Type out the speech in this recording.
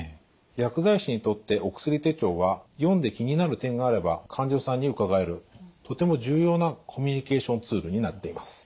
薬剤師にとってお薬手帳は読んで気になる点があれば患者さんに伺えるとても重要なコミュニケーションツールになっています。